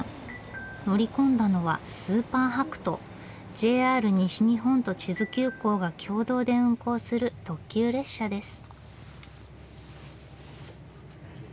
ＪＲ西日本と智頭急行が共同で運行する特急列車です。